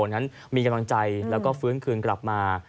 นั้นมีกำลังใจแล้วก็ฟื้นคืนกลับมา